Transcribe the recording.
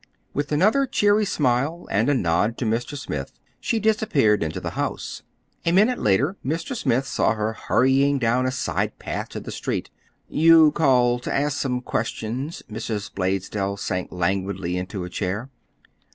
With another cheery smile and a nod to Mr. Smith, she disappeared into the house. A minute later Mr. Smith saw her hurrying down a side path to the street. "You called to ask some questions?" Mrs. Blaisdell sank languidly into a chair.